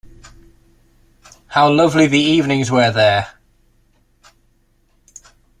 How lovely the evenings were there!